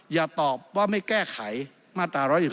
อย่าตอบว่าไม่แก้ไขมาตรา๑๑๒